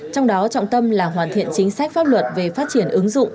trong đó trọng tâm là hoàn thiện chính sách pháp luật về phát triển ứng dụng